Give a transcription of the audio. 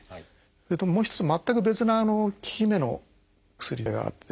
それともう一つ全く別な効き目の薬があってですね